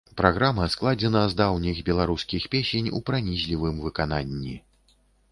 Праграма складзена з даўніх беларускіх песень у пранізлівым выкананні.